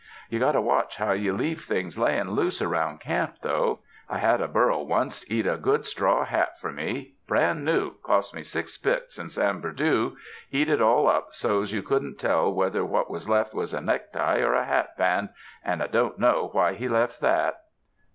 You got to watch how you leave things layin' loose around camp, though ; I had a burro wunst eat a good straw hat for me — brand new, cost me six bits in San Ber' doo — eat it all up so's you couldn't tell whether what was left was a necktie or a hat band, and I don't know why he left that."